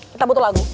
kita butuh lagu